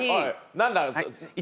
何だ？